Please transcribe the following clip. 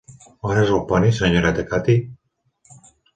On és el poni, senyoreta Cathy?